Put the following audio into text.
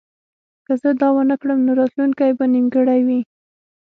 که زه دا ونه کړم نو راتلونکی به نیمګړی وي